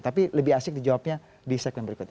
tapi lebih asik dijawabnya di segmen berikutnya